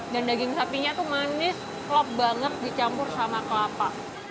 dan daging sapinya tuh manis klop banget dicampur sama kelapa